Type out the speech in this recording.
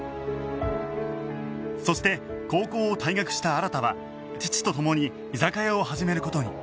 そして高校を退学した新は父と共に居酒屋を始める事に